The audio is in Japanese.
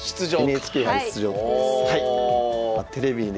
「ＮＨＫ杯出場」です。